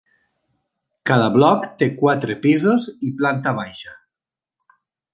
Cada bloc té quatre pisos i planta baixa.